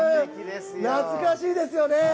懐かしいですよね。